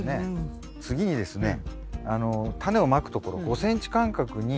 次にですねタネをまくところ５ｃｍ間隔に。